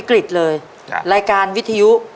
รายการวิทยุ